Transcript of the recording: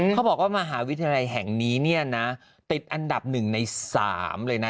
เขาบอกว่ามหาวิทยาลัยแห่งนี้เนี่ยนะติดอันดับ๑ใน๓เลยนะ